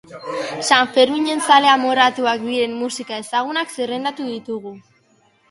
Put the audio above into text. Sanferminen zale amorratuak diren musika ezagunak zerrendatu ditugu.